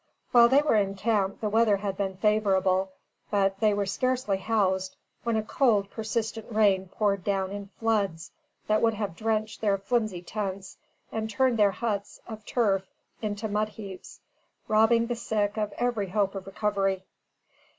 While they were in camp the weather had been favorable; but they were scarcely housed when a cold, persistent rain poured down in floods that would have drenched their flimsy tents and turned their huts of turf into mud heaps, robbing the sick of every hope of recovery.